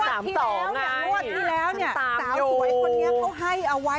อย่างนวดที่แล้วสาวสวยคนนี้เขาให้เอาไว้